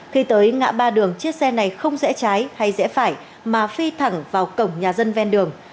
khi tới ngã ba đường chiếc xe này không rẽ trái hay rẽ phải mà phi thẳng vào cổng nhà dân ven đường